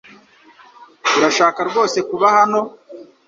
Urashaka rwose kuba hano?